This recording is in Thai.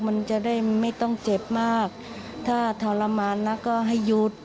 มันจะได้ไม่ต้องเจ็บมากถ้าทรมานแล้วก็ให้หยุด